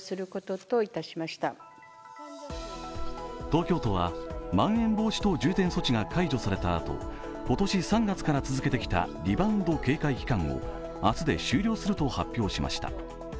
東京都は、まん延防止等重点措置が解除されたあと今年３月から続けてきたリバウンド警戒期間を明日で終了すると発表しました。